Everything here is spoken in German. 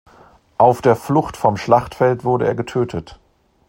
Auf der Flucht vom Schlachtfeld wurde er getötet.